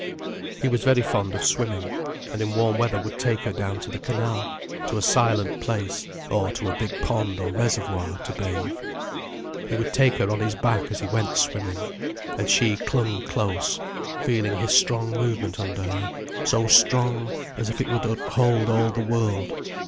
He was very fond of swimming, and in warm weather would take her down to the canal, to a silent place, or to a big pond or reservoir, to bathe. He would take her on his back as he went swimming, and she clung close, feeling his strong movement under her, so strong, as if it would uphold all the world.